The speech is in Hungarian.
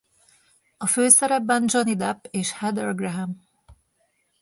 A főszerepben Johnny Depp és Heather Graham.